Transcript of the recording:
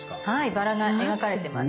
バラが描かれてます。